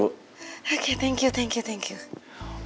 oke terima kasih